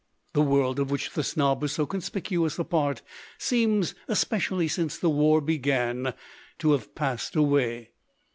The world of which the snob was so con spicuous a part seems, especially since the war began, to have passed away.